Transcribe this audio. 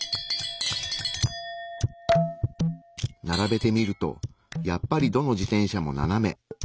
ならべてみるとやっぱりどの自転車も斜め。